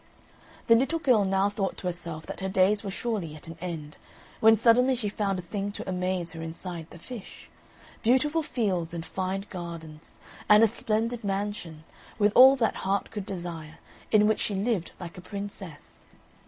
The little girl now thought to herself that her days were surely at an end, when suddenly she found a thing to amaze her inside the fish, beautiful fields and fine gardens, and a splendid mansion, with all that heart could desire, in which she lived like a Princess.